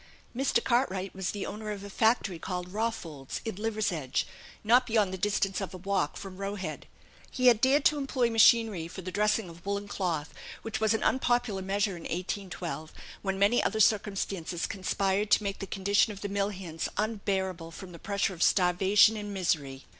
Mr. Cartwright was the owner of a factory called Rawfolds, in Liversedge, not beyond the distance of a walk from Roe Head. He had dared to employ machinery for the dressing of woollen cloth, which was an unpopular measure in 1812, when many other circumstances conspired to make the condition of the mill hands unbearable from the pressure of starvation and misery.